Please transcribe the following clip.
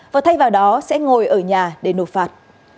và thay vào đó sẽ ngồi ở nhà để nộp phạt